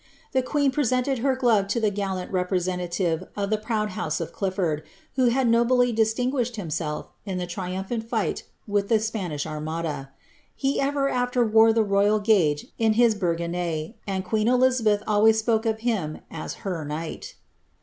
^ The queen presented her glove to the gulant representative of the proud house of Cliflbrd, who had nobly distinguished himself in the triumphant fight with the Spanish Armada. He ever aAer wore the royal gage in his burgonet, and queen Elizabeth ilways spoke of him as ^ her knight.